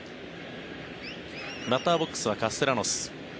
バッターボックスはカステラノス。